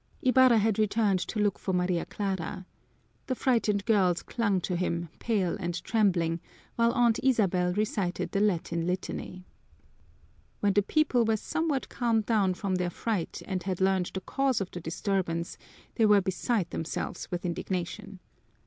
Ibarra had returned to look for Maria Clara. The frightened girls clung to him pale and trembling while Aunt Isabel recited the Latin litany. When the people were somewhat calmed down from their fright and had learned the cause of the disturbance, they were beside themselves with indignation.